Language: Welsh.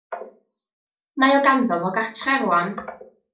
Mae o ganddo fo gartre rŵan.